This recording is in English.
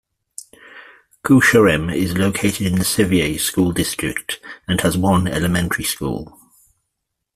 Koosharem is located in the Sevier School District and has one elementary school.